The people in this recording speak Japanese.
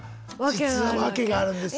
実は訳があるんです